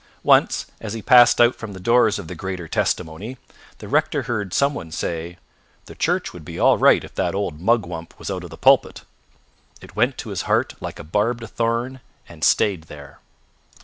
Once, as he passed out from the doors of the Greater Testimony, the rector heard some one say: "The Church would be all right if that old mugwump was out of the pulpit." It went to his heart like a barbed thorn, and stayed there.